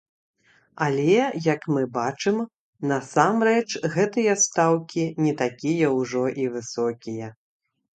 Але, як мы бачым, насамрэч гэтыя стаўкі не такія ўжо і высокія.